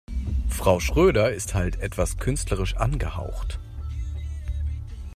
Frau Schröder ist halt etwas künstlerisch angehaucht.